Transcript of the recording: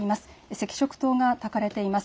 赤色灯がたかれています。